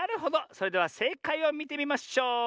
それではせいかいをみてみましょう。